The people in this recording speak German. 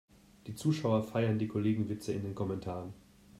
Die Zuschauer feiern die Kollegenwitze in den Kommentaren.